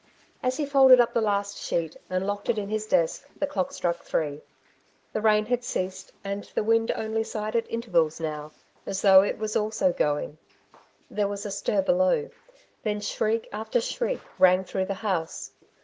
As he folded up the last sheet, and locked it in his desk, the clock struck three. The rain had ceased, and the wind only sighed at intervals now, as though it was also going. There was a stir below ; then shriek after shriek rang through the house.